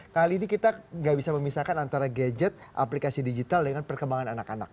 kali ini kita nggak bisa memisahkan antara gadget aplikasi digital dengan perkembangan anak anak